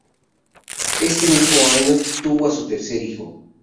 En este mismo año tuvo a su tercer hijo.